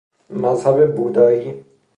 مذهب بودائی